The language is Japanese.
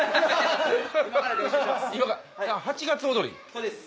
そうです。